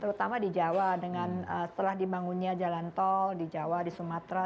terutama di jawa dengan telah dibangunnya jalan tol di jawa di sumatera